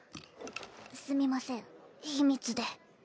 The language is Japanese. すみません秘密で。